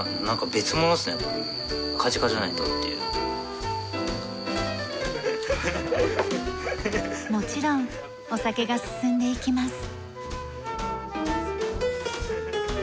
もちろんお酒が進んでいきます。